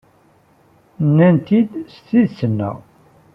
Nenna-t-id s tidet-nneɣ.